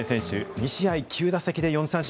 ２試合９打席で４三振。